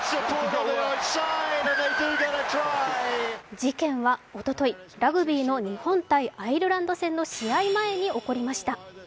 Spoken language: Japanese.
事件は、おとといラグビーの日本×アイルランドの試合前に起こりました。